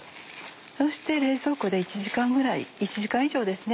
そして冷蔵庫で１時間ぐらい１時間以上ですね。